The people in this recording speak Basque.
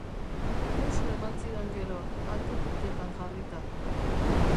Musu eman zidan gero, hanka-punttetan jarrita.